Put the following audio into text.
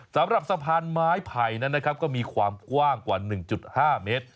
สำหรับสะพานไม้ไผ่นั้นนะครับก็มีความกว้างกว่า๑๕เมตร